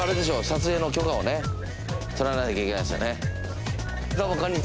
撮影の許可をね取らなきゃいけないですよね。